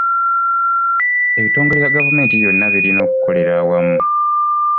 Ebtongole bya gavumenti byonna birina okukolera awamu.